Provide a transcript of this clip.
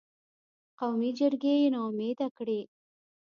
قومي جرګې یې نا امیده کړې.